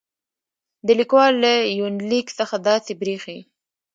د ليکوال له يونليک څخه داسې برېښي